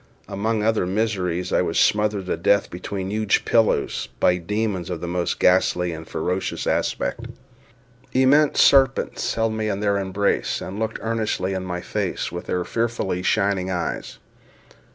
Among other miseries I was smothered to death between huge pillows, by demons of the most ghastly and ferocious aspect. Immense serpents held me in their embrace, and looked earnestly in my face with their fearfully shining eyes.